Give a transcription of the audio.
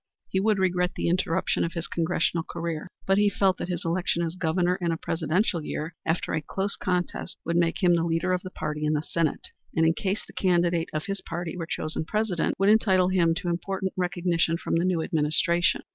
He would regret the interruption of his Congressional career, but he felt that his election as Governor in a presidential year after a close contest would make him the leader of the party in the State, and, in case the candidate of his party were chosen President, would entitle him to important recognition from the new administration.